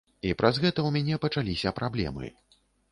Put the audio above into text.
І праз гэта ў мяне пачаліся праблемы.